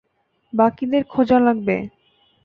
বাকিদের খুঁজা লাগবে।